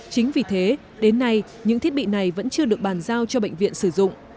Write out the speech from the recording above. chính vì thế đến nay những thiết bị này vẫn chưa được bàn giao cho bệnh viện sử dụng